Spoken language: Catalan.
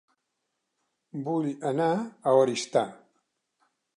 Vull anar a Oristà